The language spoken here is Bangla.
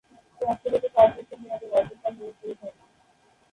রাষ্ট্রপতি পাঁচ বছরের মেয়াদে রাজ্যপাল নিয়োগ করে থাকেন।